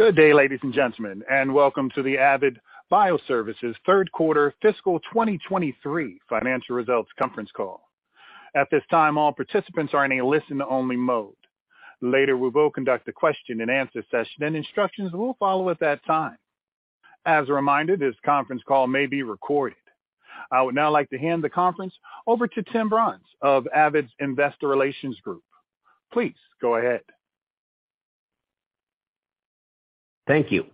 Good day, ladies and gentlemen, welcome to the Avid Bioservices third quarter fiscal 2023 financial results conference call. At this time, all participants are in a listen-only mode. Later, we will conduct a question-and-answer session, and instructions will follow at that time. As a reminder, this conference call may be recorded. I would now like to hand the conference over to Tim Brons of Avid's Investor Relations Group. Please go ahead. Thank you.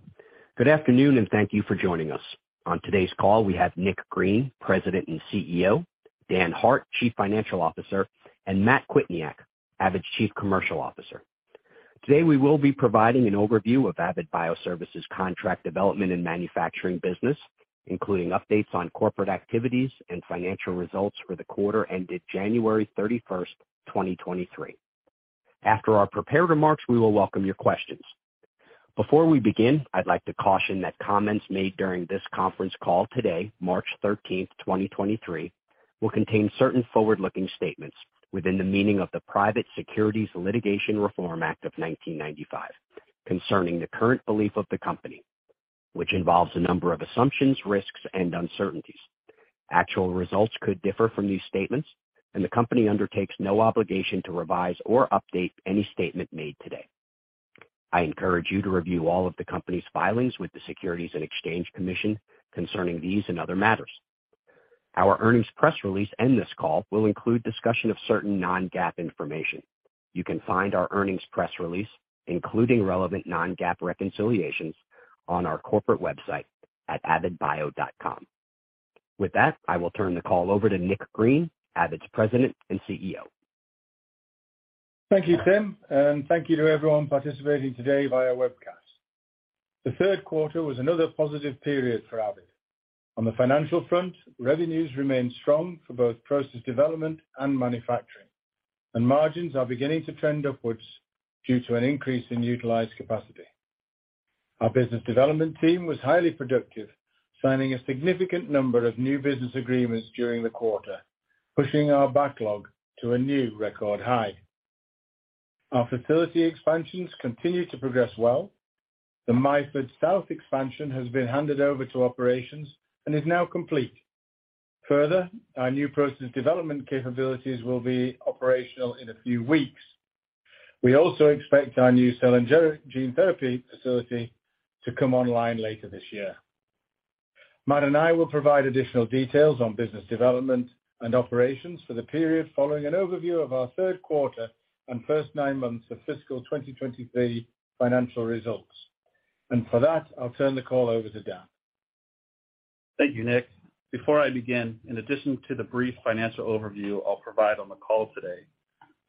Good afternoon, and thank you for joining us. On today's call, we have Nick Green, President and CEO, Dan Hart, Chief Financial Officer, and Matthew Kwietniak, Avid's Chief Commercial Officer. Today, we will be providing an overview of Avid Bioservices' contract development and manufacturing business, including updates on corporate activities and financial results for the quarter ended January 31st, 2023. After our prepared remarks, we will welcome your questions. Before we begin, I'd like to caution that comments made during this conference call today, March 13th, 2023, will contain certain forward-looking statements within the meaning of the Private Securities Litigation Reform Act of 1995 concerning the current belief of the Company, which involves a number of assumptions, risks, and uncertainties. Actual results could differ from these statements. The Company undertakes no obligation to revise or update any statement made today. I encourage you to review all of the Company's filings with the Securities and Exchange Commission concerning these and other matters. Our earnings press release and this call will include discussion of certain non-GAAP information. You can find our earnings press release, including relevant non-GAAP reconciliations, on our corporate website at avidbio.com. With that, I will turn the call over to Nick Green, Avid's President and CEO. Thank you, Tim, thank you to everyone participating today via webcast. The third quarter was another positive period for Avid. On the financial front, revenues remained strong for both process development and manufacturing, and margins are beginning to trend upwards due to an increase in utilized capacity. Our business development team was highly productive, signing a significant number of new business agreements during the quarter, pushing our backlog to a new record high. Our facility expansions continue to progress well. The Myford South expansion has been handed over to operations and is now complete. Our new process development capabilities will be operational in a few weeks. We also expect our new cell and gene therapy facility to come online later this year. Matt and I will provide additional details on business development and operations for the period following an overview of our 3rd quarter and 1st nine months of fiscal 2023 financial results. For that, I'll turn the call over to Dan. Thank you, Nick. Before I begin, in addition to the brief financial overview I'll provide on the call today,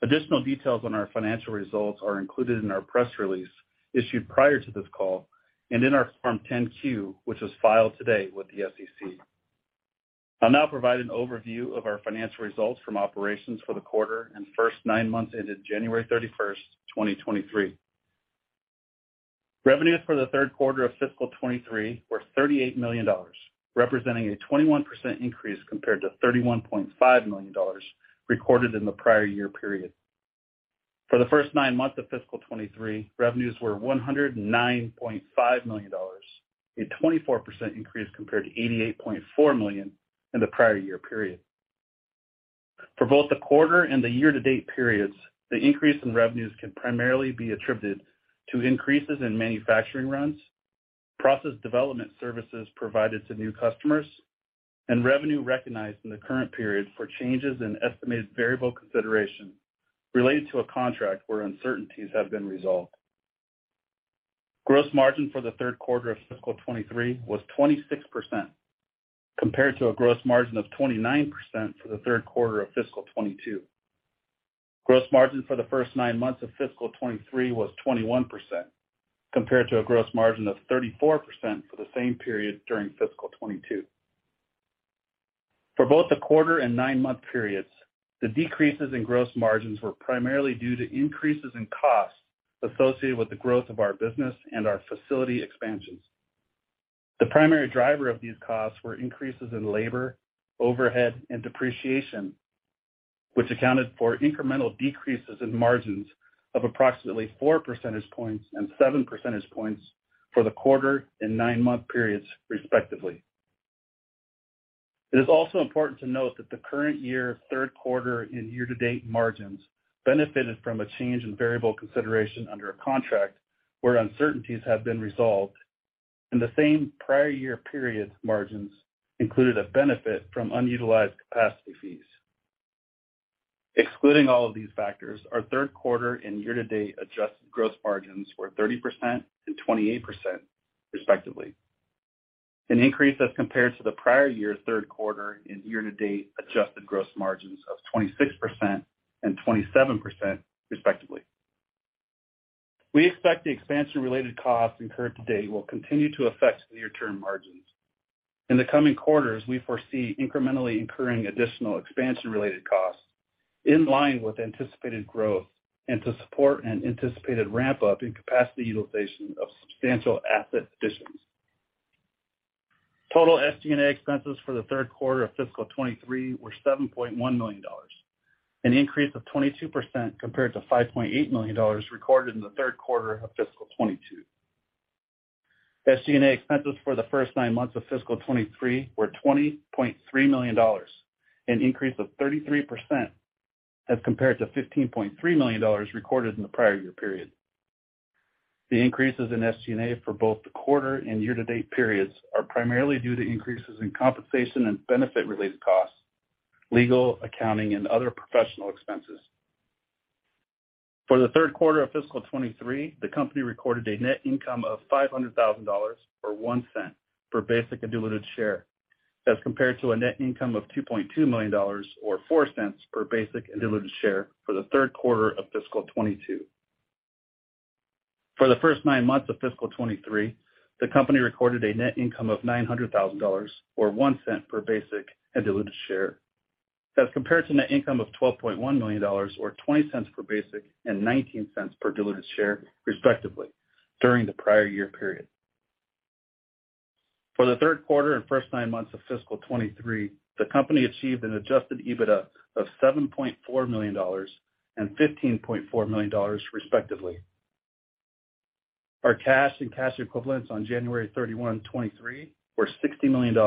additional details on our financial results are included in our press release issued prior to this call and in our Form 10-Q, which was filed today with the SEC. I'll now provide an overview of our financial results from operations for the quarter and first nine months ended January 31, 2023. Revenues for the third quarter of fiscal 2023 were $38 million, representing a 21% increase compared to $31.5 million recorded in the prior year period. For the first nine months of fiscal 2023, revenues were $109.5 million, a 24% increase compared to $88.4 million in the prior year period. For both the quarter and the year-to-date periods, the increase in revenues can primarily be attributed to increases in manufacturing runs, process development services provided to new customers, and revenue recognized in the current period for changes in estimated variable consideration related to a contract where uncertainties have been resolved. Gross margin for the third quarter of fiscal 2023 was 26% compared to a gross margin of 29% for the third quarter of fiscal 2022. Gross margin for the first nine months of fiscal 2023 was 21% compared to a gross margin of 34% for the same period during fiscal 2022. For both the quarter and nine-month periods, the decreases in gross margins were primarily due to increases in costs associated with the growth of our business and our facility expansions. The primary driver of these costs were increases in labor, overhead, and depreciation, which accounted for incremental decreases in margins of approximately four percentage points and seven percentage points for the quarter and nine-month periods, respectively. It is also important to note that the current year, third quarter, and year-to-date margins benefited from a change in variable consideration under a contract where uncertainties have been resolved, and the same prior year period's margins included a benefit from unutilized capacity fees. Excluding all of these factors, our third quarter and year-to-date adjusted gross margins were 30% and 28%, respectively, an increase as compared to the prior year's third quarter and year-to-date adjusted gross margins of 26% and 27%, respectively. We expect the expansion-related costs incurred to date will continue to affect near-term margins. In the coming quarters, we foresee incrementally incurring additional expansion-related costs in line with anticipated growth and to support an anticipated ramp-up in capacity utilization of substantial asset additions. Total SG&A expenses for the third quarter of fiscal 2023 were $7.1 million, an increase of 22% compared to $5.8 million recorded in the third quarter of fiscal 2022. SG&A expenses for the first nine months of fiscal 2023 were $20.3 million, an increase of 33% as compared to $15.3 million recorded in the prior year period. The increases in SG&A for both the quarter and year-to-date periods are primarily due to increases in compensation and benefit-related costs, legal, accounting, and other professional expenses. For the third quarter of fiscal '23, the company recorded a net income of $500,000 or $0.01 per basic and diluted share, as compared to a net income of $2.2 million or $0.04 per basic and diluted share for the third quarter of fiscal '22. For the first nine months of fiscal '23, the company recorded a net income of $900,000 or $0.01 per basic and diluted share, as compared to net income of $12.1 million or $0.20 per basic and $0.19 per diluted share, respectively, during the prior year period. For the third quarter and first nine months of fiscal '23, the company achieved an Adjusted EBITDA of $7.4 million and $15.4 million, respectively. Our cash and cash equivalents on January 31, 2023 were $60 million,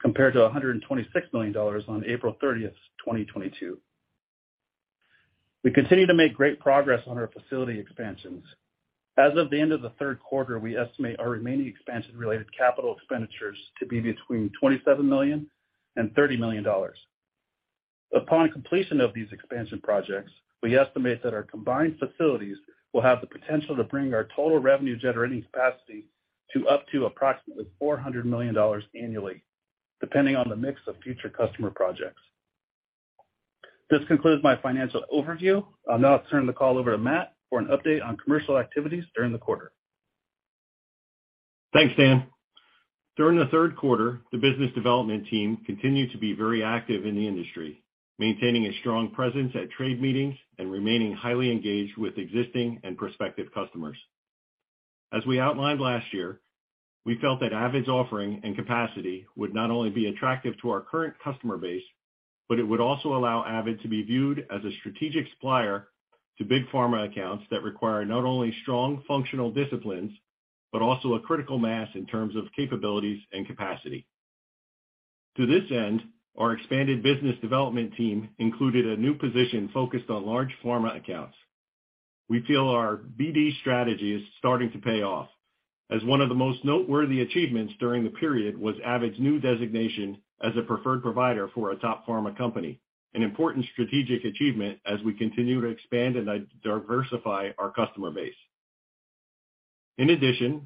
compared to $126 million on April 30, 2022. We continue to make great progress on our facility expansions. As of the end of the third quarter, we estimate our remaining expansion-related capital expenditures to be between $27 million and $30 million. Upon completion of these expansion projects, we estimate that our combined facilities will have the potential to bring our total revenue-generating capacity to up to approximately $400 million annually, depending on the mix of future customer projects. This concludes my financial overview. I'll now turn the call over to Matt for an update on commercial activities during the quarter. Thanks, Dan. During the third quarter, the business development team continued to be very active in the industry, maintaining a strong presence at trade meetings and remaining highly engaged with existing and prospective customers. As we outlined last year, we felt that Avid's offering and capacity would not only be attractive to our current customer base, but it would also allow Avid to be viewed as a strategic supplier to big pharma accounts that require not only strong functional disciplines, but also a critical mass in terms of capabilities and capacity. To this end, our expanded business development team included a new position focused on large pharma accounts. We feel our BD strategy is starting to pay off, as one of the most noteworthy achievements during the period was Avid's new designation as a preferred provider for a top pharma company, an important strategic achievement as we continue to expand and diversify our customer base.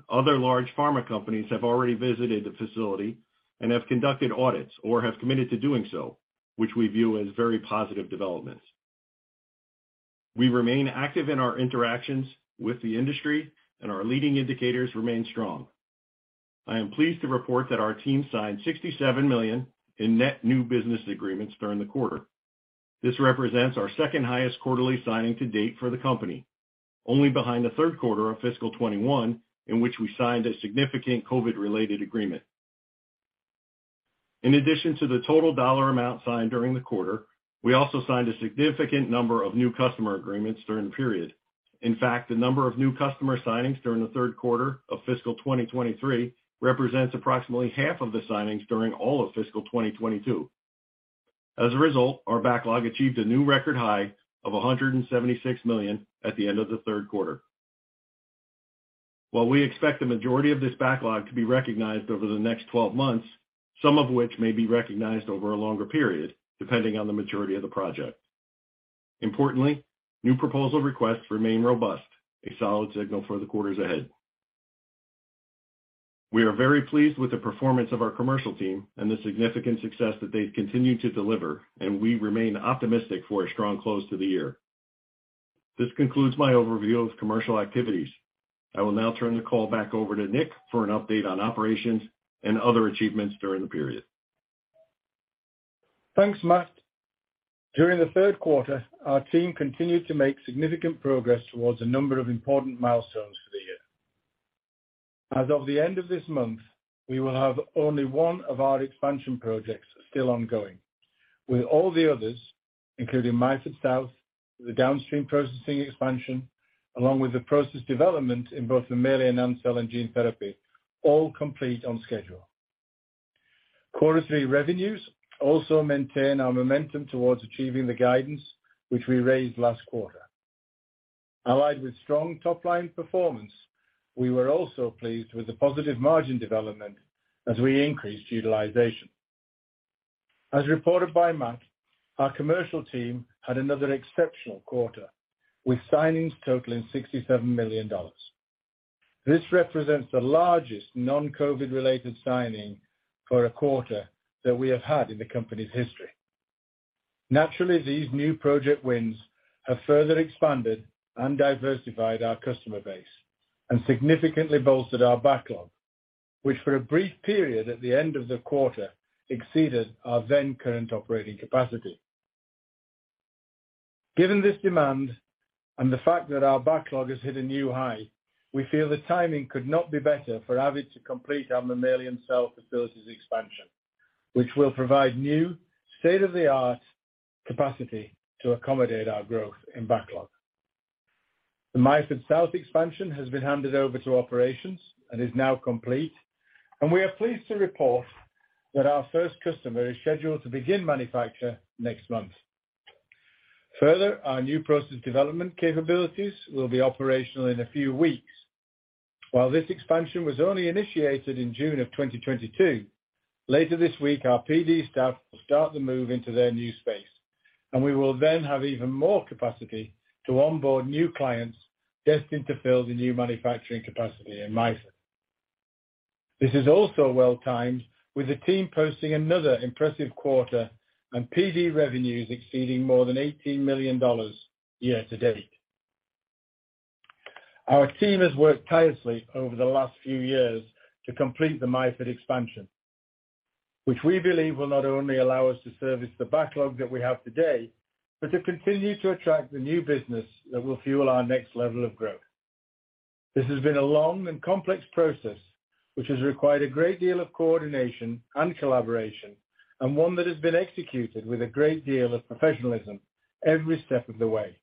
Other large pharma companies have already visited the facility and have conducted audits or have committed to doing so, which we view as very positive developments. We remain active in our interactions with the industry, our leading indicators remain strong. I am pleased to report that our team signed $67 million in net new business agreements during the quarter. This represents our second highest quarterly signing to date for the company, only behind the third quarter of fiscal 2021, in which we signed a significant COVID-related agreement. In addition to the total dollar amount signed during the quarter, we also signed a significant number of new customer agreements during the period. In fact, the number of new customer signings during the 3rd quarter of fiscal 2023 represents approximately half of the signings during all of fiscal 2022. As a result, our backlog achieved a new record high of $176 million at the end of the 3rd quarter. While we expect the majority of this backlog to be recognized over the next 12 months, some of which may be recognized over a longer period, depending on the maturity of the project. Importantly, new proposal requests remain robust, a solid signal for the quarters ahead. We are very pleased with the performance of our commercial team and the significant success that they've continued to deliver. We remain optimistic for a strong close to the year. This concludes my overview of commercial activities. I will now turn the call back over to Nick for an update on operations and other achievements during the period. Thanks, Matt. During the third quarter, our team continued to make significant progress towards a number of important milestones for the year. As of the end of this month, we will have only one of our expansion projects still ongoing. With all the others, including Myford South, the downstream processing expansion, along with the process development in both the mammalian and cell and gene therapy, all complete on schedule. Quarter three revenues also maintain our momentum towards achieving the guidance which we raised last quarter. Allied with strong top-line performance, we were also pleased with the positive margin development as we increased utilization. As reported by Matt, our commercial team had another exceptional quarter, with signings totaling $67 million. This represents the largest non-COVID-related signing for a quarter that we have had in the company's history. Naturally, these new project wins have further expanded and diversified our customer base and significantly bolstered our backlog, which for a brief period at the end of the quarter, exceeded our then current operating capacity. Given this demand and the fact that our backlog has hit a new high, we feel the timing could not be better for Avid to complete our mammalian cell facilities expansion, which will provide new state-of-the-art capacity to accommodate our growth in backlog. The Myford South expansion has been handed over to operations and is now complete, and we are pleased to report that our first customer is scheduled to begin manufacture next month. Our new process development capabilities will be operational in a few weeks. While this expansion was only initiated in June of 2022, later this week, our PD staff will start to move into their new space. We will then have even more capacity to onboard new clients destined to fill the new manufacturing capacity in Myford. This is also well-timed, with the team posting another impressive quarter and PD revenues exceeding more than $18 million year-to-date. Our team has worked tirelessly over the last few years to complete the Myford expansion, which we believe will not only allow us to service the backlog that we have today, but to continue to attract the new business that will fuel our next level of growth. This has been a long and complex process, which has required a great deal of coordination and collaboration. One that has been executed with a great deal of professionalism every step of the way.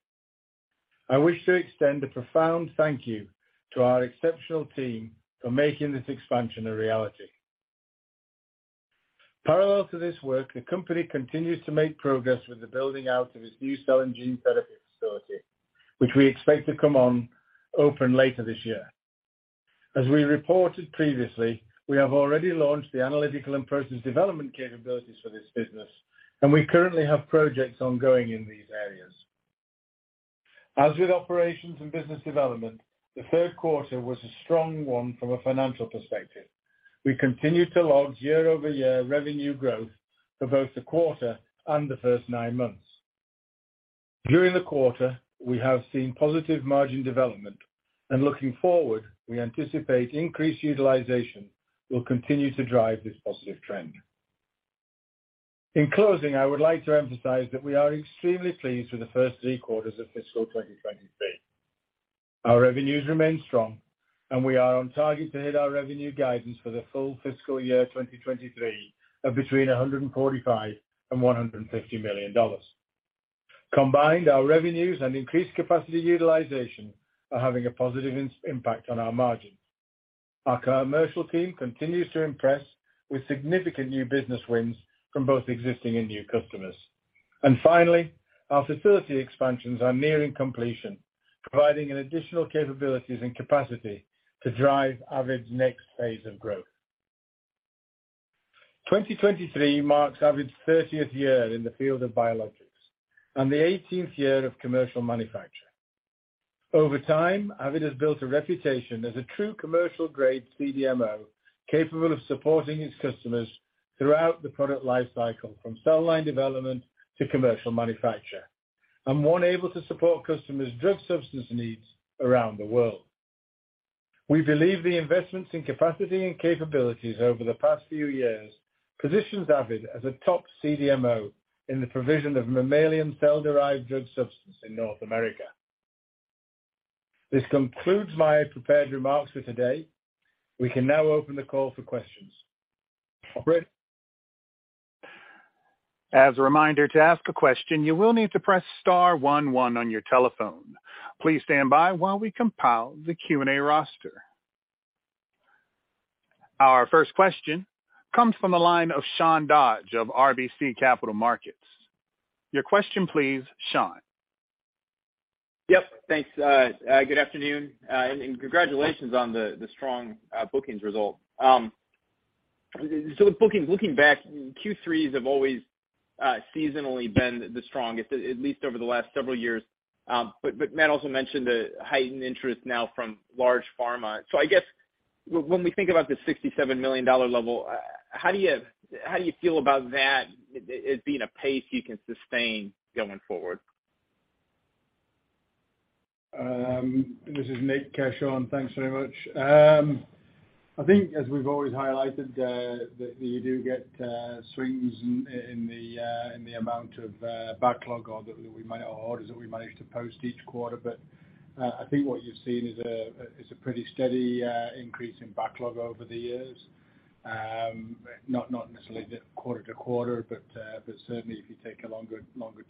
I wish to extend a profound thank you to our exceptional team for making this expansion a reality. Parallel to this work, the company continues to make progress with the building out of its new cell and gene therapy facility, which we expect to come on open later this year. As we reported previously, we have already launched the analytical and process development capabilities for this business. We currently have projects ongoing in these areas. As with operations and business development, the third quarter was a strong one from a financial perspective. We continue to log year-over-year revenue growth for both the quarter and the first nine months. During the quarter, we have seen positive margin development. Looking forward, we anticipate increased utilization will continue to drive this positive trend. In closing, I would like to emphasize that we are extremely pleased with the first three quarters of fiscal 2023. Our revenues remain strong, and we are on target to hit our revenue guidance for the full fiscal year 2023 of between $145 million and $150 million. Combined, our revenues and increased capacity utilization are having a positive impact on our margin. Our commercial team continues to impress with significant new business wins from both existing and new customers. Finally, our facility expansions are nearing completion, providing additional capabilities and capacity to drive Avid's next phase of growth. 2023 marks Avid's 30th year in the field of biologics and the 18th year of commercial manufacture. Over time, Avid has built a reputation as a true commercial-grade CDMO, capable of supporting its customers throughout the product life cycle, from cell line development to commercial manufacture, and one able to support customers' drug substance needs around the world. We believe the investments in capacity and capabilities over the past few years positions Avid as a top CDMO in the provision of mammalian cell-derived drug substance in North America. This concludes my prepared remarks for today. We can now open the call for questions. Operator? As a reminder, to ask a question, you will need to press star one one on your telephone. Please stand by while we compile the Q&A roster. Our first question comes from the line of Sean Dodge of RBC Capital Markets. Your question, please, Sean. Yep. Thanks, good afternoon. Congratulations on the strong bookings result. With bookings, looking back, Q3s have always seasonally been the strongest, at least over the last several years. Matt also mentioned the heightened interest now from large pharma. I guess when we think about the $67 million level, how do you feel about that as being a pace you can sustain going forward? This is Nick, Sean. Thanks very much. I think as we've always highlighted, that you do get swings in the amount of backlog or orders that we manage to post each quarter. I think what you've seen is a pretty steady increase in backlog over the years. Not necessarily quarter to quarter, but certainly if you take a longer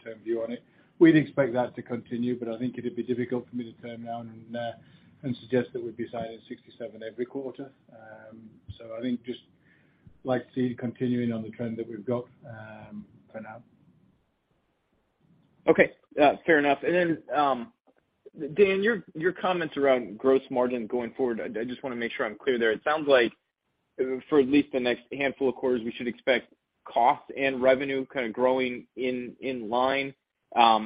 term view on it. We'd expect that to continue, but I think it'd be difficult for me to turn now and suggest that we'd be signing 67 every quarter. I think just like to see it continuing on the trend that we've got for now. Okay. Yeah, fair enough. Then, Dan, your comments around gross margin going forward, I just wanna make sure I'm clear there. It sounds like for at least the next handful of quarters, we should expect costs and revenue kind of growing in line. I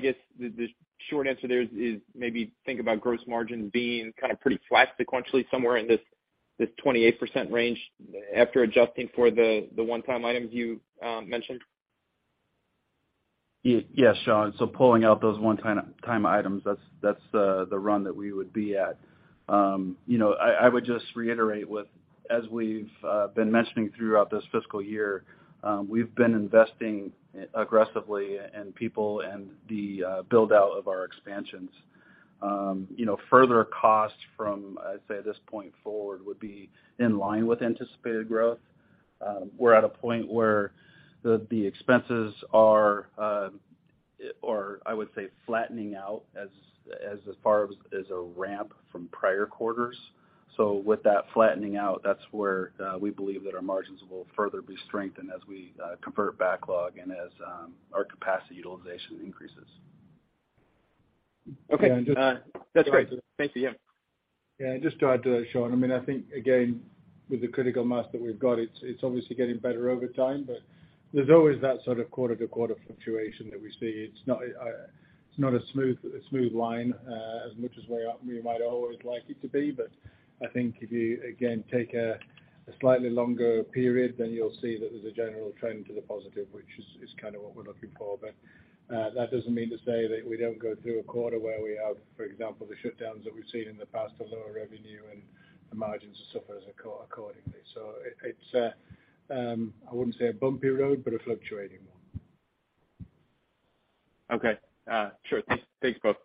guess the short answer there is maybe think about gross margin being kind of pretty flat sequentially somewhere in this 28% range after adjusting for the one-time items you mentioned? Yes, Sean. Pulling out those one time items, that's the run that we would be at. you know, I would just reiterate with, as we've been mentioning throughout this fiscal year, we've been investing aggressively in people and the build-out of our expansions. you know, further costs from, I'd say, this point forward would be in line with anticipated growth. We're at a point where the expenses are, or I would say flattening out as far as a ramp from prior quarters. With that flattening out, that's where, we believe that our margins will further be strengthened as we, convert backlog and as, our capacity utilization increases. Okay. That's great. Thank you. Yeah, just to add to that, Sean, I mean, I think again, with the critical mass that we've got, it's obviously getting better over time, but there's always that sort of quarter-to-quarter fluctuation that we see. It's not, it's not a smooth line, as much as we might always like it to be. I think if you, again, take a slightly longer period, then you'll see that there's a general trend to the positive, which is kind of what we're looking for. That doesn't mean to say that we don't go through a quarter where we have, for example, the shutdowns that we've seen in the past to lower revenue and the margins suffer accordingly. It's, I wouldn't say a bumpy road, but a fluctuating one. Okay. Sure. Thanks, thanks both.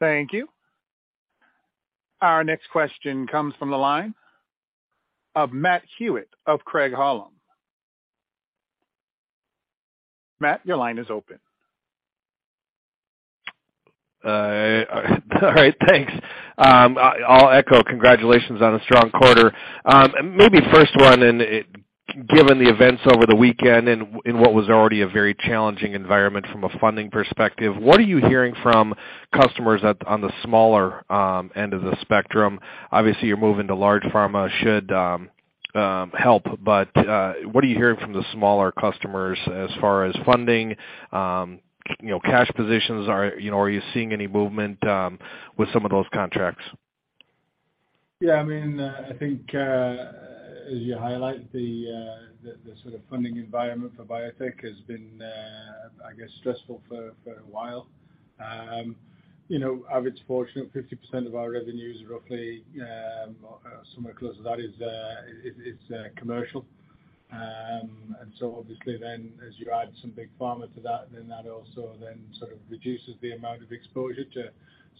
Thank you. Our next question comes from the line of Matt Hewitt of Craig-Hallum. Matt, your line is open. All right, thanks. I'll echo congratulations on a strong quarter. Maybe first one given the events over the weekend and what was already a very challenging environment from a funding perspective, what are you hearing from customers at, on the smaller end of the spectrum? Obviously, you're moving to large pharma should help, but what are you hearing from the smaller customers as far as funding, you know, cash positions? Are, you know, are you seeing any movement with some of those contracts? Yeah, I mean, I think, as you highlight, the sort of funding environment for biotech has been, I guess stressful for a while. You know, Avid's fortunate 50% of our revenues, roughly, or somewhere close to that is commercial. Obviously, as you add some big pharma to that also sort of reduces the amount of exposure to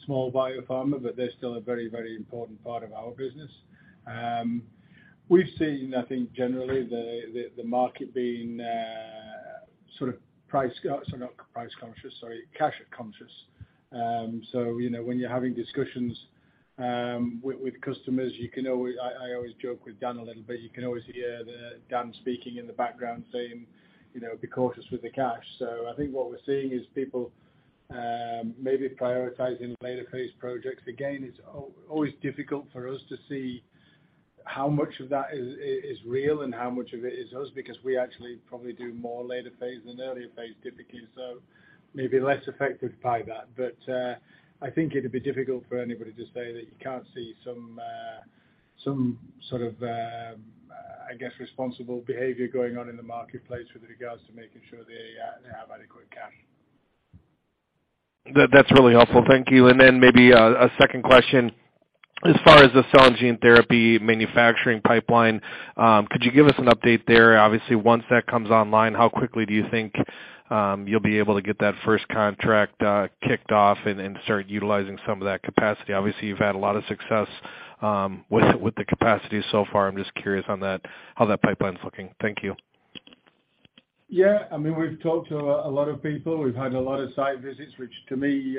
small biopharma, but they're still a very important part of our business. We've seen, I think generally the market being not price conscious, cash conscious. You know, when you're having discussions with customers you can always... I always joke with Dan a little bit, you can always hear Dan speaking in the background saying, you know, "Be cautious with the cash." I think what we're seeing is people maybe prioritizing later phase projects. Again, it's always difficult for us to see how much of that is real and how much of it is us, because we actually probably do more later phase than earlier phase, typically. I think it'd be difficult for anybody to say that you can't see some sort of, I guess, responsible behavior going on in the marketplace with regards to making sure they have adequate cash. That's really helpful. Thank you. Then maybe a second question. As far as the cell and gene therapy manufacturing pipeline, could you give us an update there? Obviously, once that comes online, how quickly do you think you'll be able to get that first contract kicked off and start utilizing some of that capacity? Obviously, you've had a lot of success with the capacity so far. I'm just curious on that, how that pipeline's looking. Thank you. Yeah. I mean, we've talked to a lot of people. We've had a lot of site visits, which to me,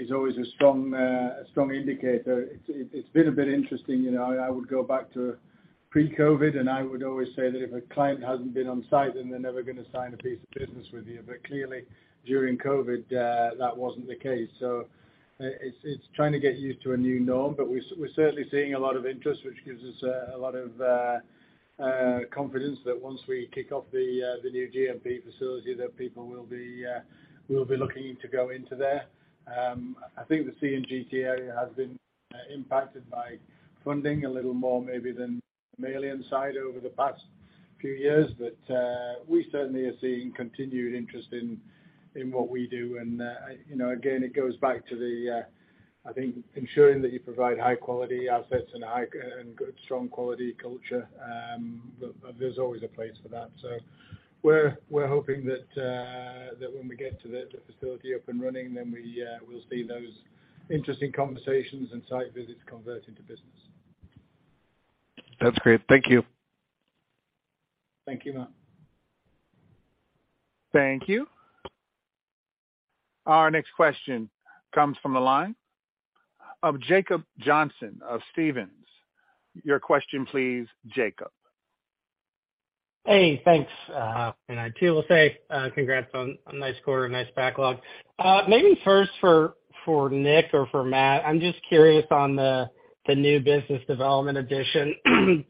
is always a strong, a strong indicator. It's been a bit interesting. You know, I would go back to pre-COVID, and I would always say that if a client hasn't been on site, then they're never gonna sign a piece of business with you. Clearly, during COVID, that wasn't the case. It's trying to get used to a new norm, but we're certainly seeing a lot of interest, which gives us a lot of confidence that once we kick off the new GMP facility, that people will be looking to go into there. I think the CGT area has been impacted by funding a little more maybe than the mammalian side over the past few years. We certainly are seeing continued interest in what we do. You know, again, it goes back to the, I think ensuring that you provide high quality assets and good, strong quality culture. There's always a place for that. We're hoping that when we get to the facility up and running, then we will see those interesting conversations and site visits convert into business. That's great. Thank you. Thank you, Matt. Thank you. Our next question comes from the line of Jacob Johnson of Stephens. Your question please, Jacob. Hey, thanks, and I too will say, congrats on a nice quarter, nice backlog. Maybe first for Nick or for Matt, I'm just curious on the new business development addition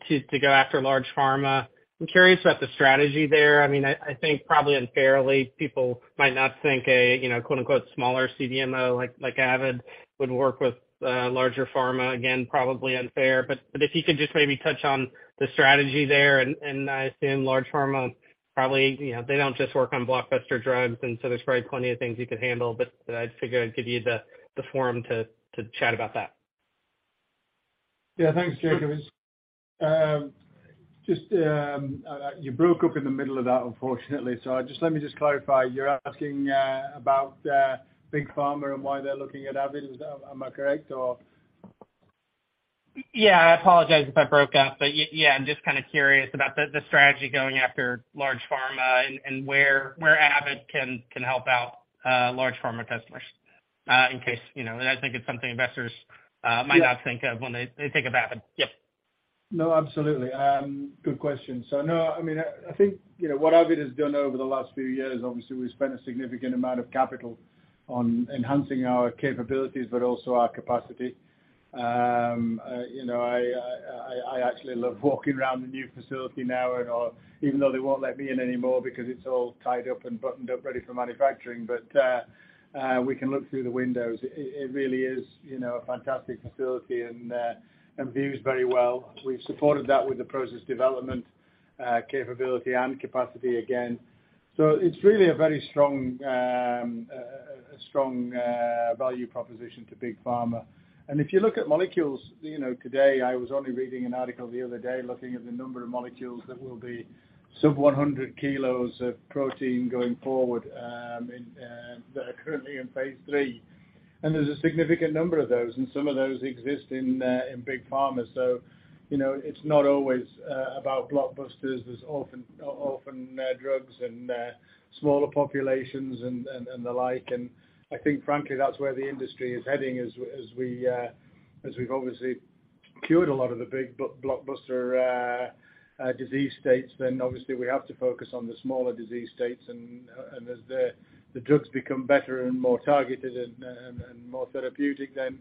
to go after large pharma. I'm curious about the strategy there. I mean, I think probably unfairly, people might not think a, you know, quote-unquote, smaller CDMO like Avid would work with larger pharma. Again, probably unfair, but if you could just maybe touch on the strategy there. I assume large pharma probably, you know, they don't just work on blockbuster drugs, and so there's probably plenty of things you could handle, but I just figured I'd give you the forum to chat about that. Yeah. Thanks, Jacob. just you broke up in the middle of that, unfortunately. Let me just clarify. You're asking about big pharma and why they're looking at Avid. Is that Am I correct or? Yeah, I apologize if I broke up. Yeah, I'm just kinda curious about the strategy going after large pharma and where Avid can help out large pharma customers in case, you know, and I think it's something investors might not think of when they think of Avid. Yep. No, absolutely. Good question. No, I mean, I think, you know, what Avid has done over the last few years, obviously, we've spent a significant amount of capital on enhancing our capabilities, but also our capacity. You know, I, I actually love walking around the new facility now and all, even though they won't let me in anymore because it's all tied up and buttoned up, ready for manufacturing. We can look through the windows. It, it really is, you know, a fantastic facility and bodes very well. We've supported that with the process development capability and capacity again. It's really a very strong, a strong value proposition to big pharma. If you look at molecules, you know, today, I was only reading an article the other day looking at the number of molecules that will be sub 100 kilos of protein going forward, in that are currently in phase III. There's a significant number of those, and some of those exist in big pharma. You know, it's not always about blockbusters. There's often drugs and smaller populations and, and the like. I think frankly, that's where the industry is heading as we've obviously cured a lot of the big blockbuster disease states, then obviously we have to focus on the smaller disease states. As the drugs become better and more targeted and, and more therapeutic, then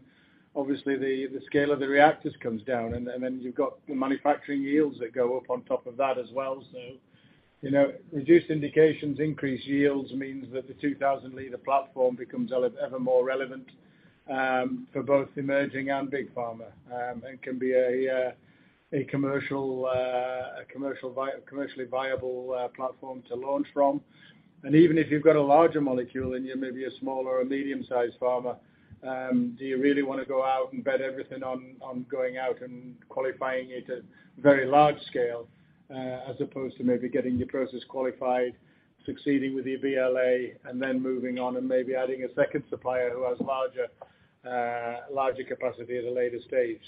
obviously the scale of the reactors comes down. Then you've got the manufacturing yields that go up on top of that as well. You know, reduced indications, increased yields means that the 2,000 liter platform becomes ever more relevant for both emerging and big pharma. It can be a commercially viable platform to launch from. Even if you've got a larger molecule and you may be a small or a medium-sized pharma, do you really wanna go out and bet everything on going out and qualifying it at very large scale as opposed to maybe getting your process qualified, succeeding with your BLA, moving on and maybe adding a second supplier who has larger capacity at a later stage?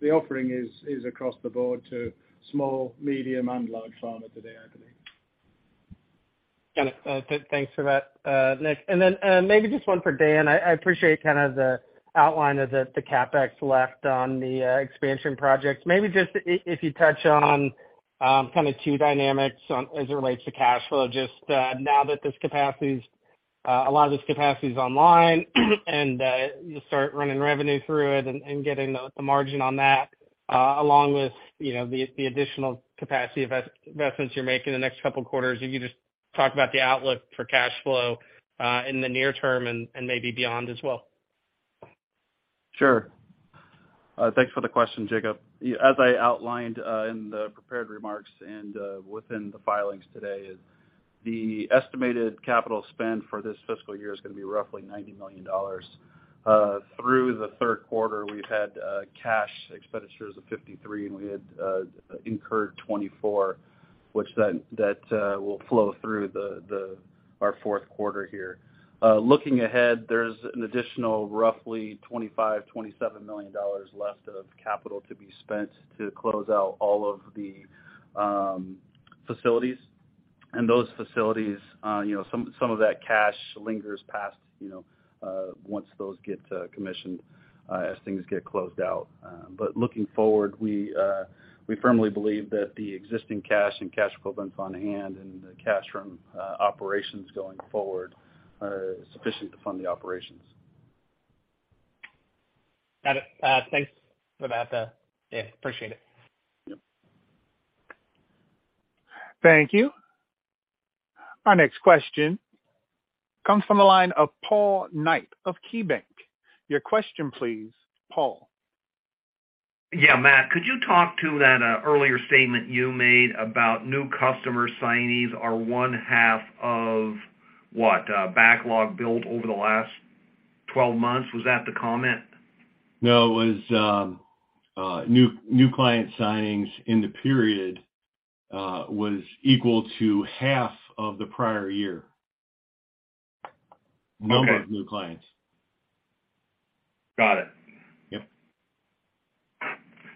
The offering is across the board to small, medium, and large pharma today, I believe. Got it. Thanks for that, Nick. Maybe just one for Dan. I appreciate kinda the outline of the CapEx left on the expansion projects. Maybe just if you touch on kinda two dynamics as it relates to cash flow, just now that this capacity's, a lot of this capacity is online, and you start running revenue through it and getting the margin on that, along with, you know, the additional capacity investments you're making in the next couple quarters. If you just talk about the outlook for cash flow in the near term and maybe beyond as well. Sure. Thanks for the question, Jacob. As I outlined, in the prepared remarks and, within the filings today, the estimated capital spend for this fiscal year is gonna be roughly $90 million. Through the third quarter, we've had cash expenditures of $53, and we had incurred $24, which that will flow through our fourth quarter here. Looking ahead, there's an additional roughly $25 million-27 million left of capital to be spent to close out all of the facilities. Those facilities, you know, some of that cash lingers past, you know, once those get commissioned, as things get closed out. Looking forward, we firmly believe that the existing cash and cash equivalents on hand and the cash from operations going forward are sufficient to fund the operations. Got it. Thanks for that, Dan. Appreciate it. Yep. Thank you. Our next question comes from the line of Paul Knight of KeyBanc. Your question, please, Paul. Yeah. Matt, could you talk to that earlier statement you made about new customer signings are one half of what, backlog built over the last 12 months? Was that the comment? No, it was, new client signings in the period, was equal to half of the prior year. Okay. Number of new clients. Got it.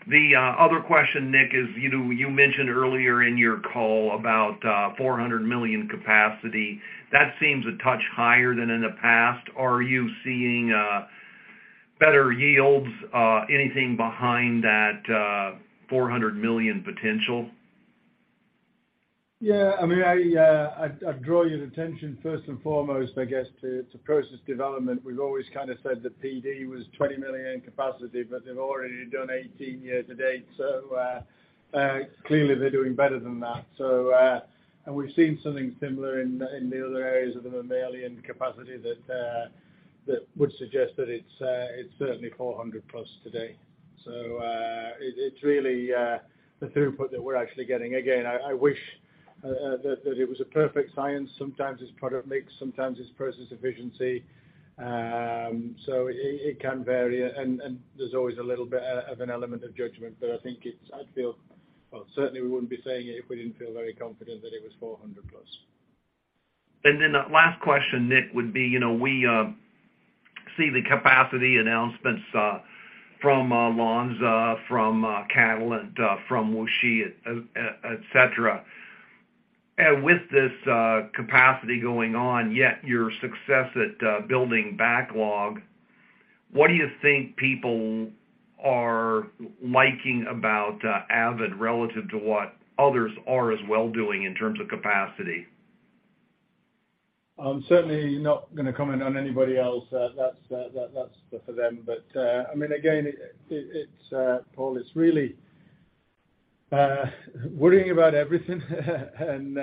Yep. The other question, Nick, is, you know, you mentioned earlier in your call about $400 million capacity. That seems a touch higher than in the past. Are you seeing better yields, anything behind that $400 million potential? Yeah, I mean, I'd draw your attention first and foremost, I guess, to process development. We've always kinda said that PD was $20 million in capacity, but they've already done $18 million year to date. Clearly, they're doing better than that. And we've seen something similar in the other areas of the mammalian capacity that would suggest that it's certainly $400+ million today. It's really the throughput that we're actually getting. Again, I wish it was a perfect science. Sometimes it's product mix, sometimes it's process efficiency. It can vary and there's always a little bit of an element of judgment. I think I'd feel... Well, certainly we wouldn't be saying it if we didn't feel very confident that it was $400+. The last question, Nick, would be, you know, we see the capacity announcements from Lonza, from Catalent, from WuXi, et cetera. With this capacity going on, yet your success at building backlog, what do you think people are liking about Avid relative to what others are as well doing in terms of capacity? I'm certainly not gonna comment on anybody else. that's for them. I mean, again, it's Paul, it's really worrying about everything and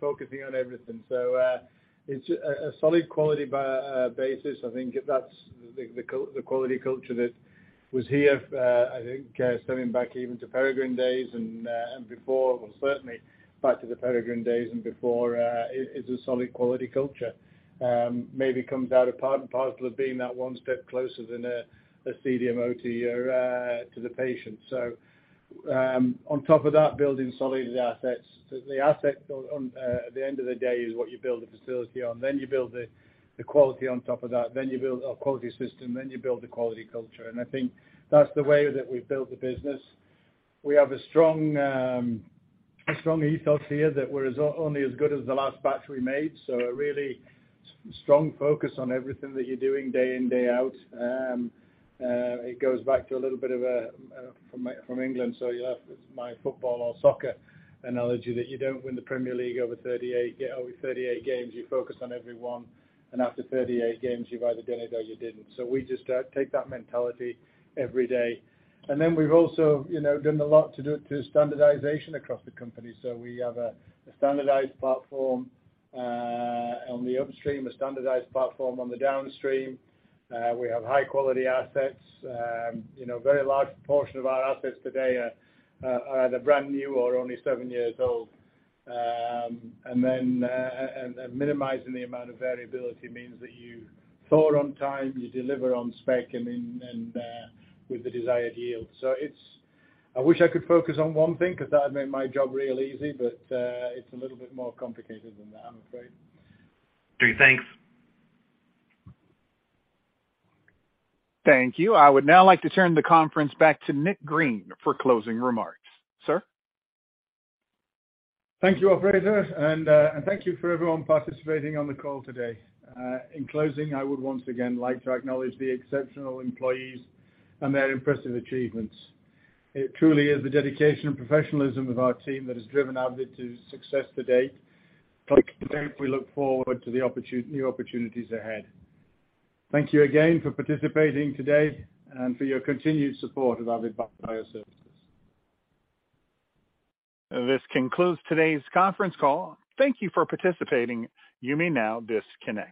focusing on everything. it's a solid quality basis. I think that's the quality culture that was here I think stemming back even to Peregrine days and before. Well, certainly back to the Peregrine days and before, it's a solid quality culture. maybe comes out of part and parcel of being that one step closer than a CDMO to your to the patient. on top of that, building solid assets. The assets on at the end of the day is what you build a facility on. you build the quality on top of that. You build a quality system. You build the quality culture. I think that's the way that we've built the business. We have a strong ethos here that we're as only as good as the last batch we made. A really strong focus on everything that you're doing day in, day out. It goes back to a little bit of a from England. You have my football or soccer analogy that you don't win the Premier League over 38 games. You focus on every one, and after 38 games, you've either done it or you didn't. We just take that mentality every day. Then we've also, you know, done a lot to do with the standardization across the company. We have a standardized platform on the upstream, a standardized platform on the downstream. We have high-quality assets. You know, very large portion of our assets today are either brand new or only seven years old. Minimizing the amount of variability means that you thaw on time, you deliver on spec and in, and with the desired yield. I wish I could focus on one thing, 'cause that would make my job real easy, but it's a little bit more complicated than that, I'm afraid. Great. Thanks. Thank you. I would now like to turn the conference back to Nicholas Green for closing remarks. Sir? Thank you, operator, and thank you for everyone participating on the call today. In closing, I would once again like to acknowledge the exceptional employees and their impressive achievements. It truly is the dedication and professionalism of our team that has driven Avid to success to date. Collectively, we look forward to the new opportunities ahead. Thank you again for participating today and for your continued support of Avid Bioservices. This concludes today's conference call. Thank you for participating. You may now disconnect.